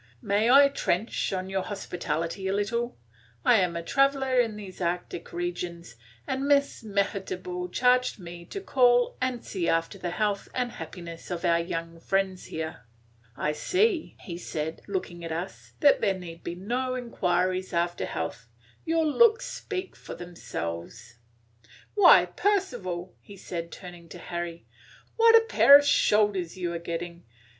"May I trench on your hospitality a little? I am a traveller in these arctic regions, and Miss Mehitable charged me to call and see after the health and happiness of our young friends here. I see," he said, looking at us, "that there need be no inquiries after health; your looks speak for themselves." "Why, Percival!" he said, turning to Harry, "what a pair of shoulders you are getting!